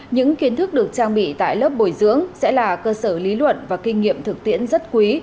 những kiến thức được trang bị tại lớp bồi dưỡng sẽ là cơ sở lý luận và kinh nghiệm thực tiễn rất quý